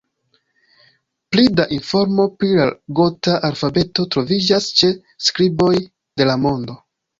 Pli da informo pri la gota alfabeto troviĝas ĉe Skriboj de la Mondo.